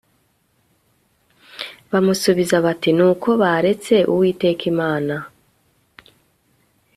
Bazamusubiza bati Ni uko baretse Uwiteka Imana